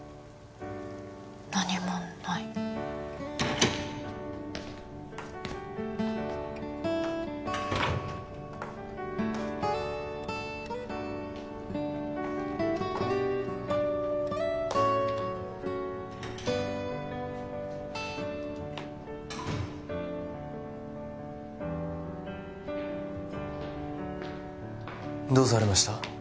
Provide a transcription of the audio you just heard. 何もないどうされました？